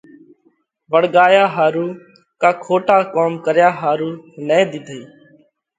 وۯڳايا ۿارُو ڪا کوٽا ڪوم ڪريا ۿارُو نه ۮِيڌئِي۔